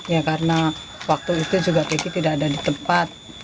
ya karena waktu itu juga kiki tidak ada di tempat